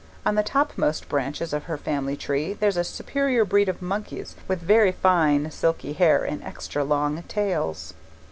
On the topmost branches of her family tree there's a superior breed of monkeys with very fine silky hair and extra long tails.